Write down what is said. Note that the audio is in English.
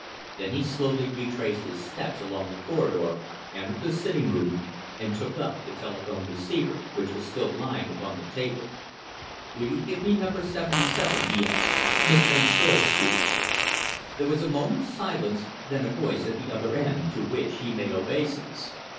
Then he slowly retraced his steps along the corridor, entered the sitting room, and took up the telephone receiver, which was still lying upon the table. "Will you give me number 77," he asked "Miss Van Teyl's suite?" There was a moment's silence then a voice at the other end to which he made obeisance.